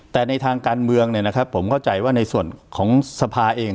แต่ในทางการเมืองเนี้ยนะครับผมเข้าใจว่าในส่วนของสภาเอง